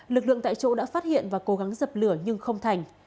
lực lượng tại chỗ đã phát hiện và cố gắng dập lửa nhưng không thành